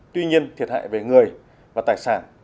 tuy nhiên thiệt hại về người và tài sản do cháy gây ra